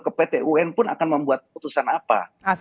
ke pt un pun akan membuat keputusan apa